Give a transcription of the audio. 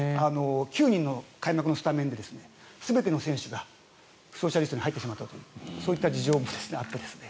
９人の開幕のスタメンで全ての選手が負傷者リストに入ってしまったという事情もありましたね。